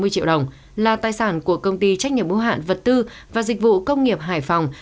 năm mươi triệu đồng là tài sản của công ty trách nhiệm mô hạn vật tư và dịch vụ công nghiệp hải phòng